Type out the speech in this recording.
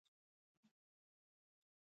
د بدخشان غنم په لوړو ارتفاعاتو کې کیږي.